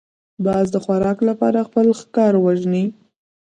باز د خوراک لپاره خپل ښکار وژني